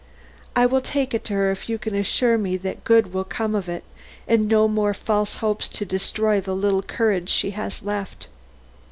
I will take it to her if you can assure me that good will come of it and no more false hopes to destroy the little courage she has left."